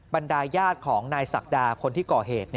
บรรดาญาติของนายศักดาคนที่ก่อเหตุ